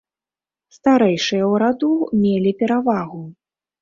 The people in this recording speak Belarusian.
Старэйшыя ў раду мелі перавагу.